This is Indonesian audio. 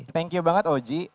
thank you banget oji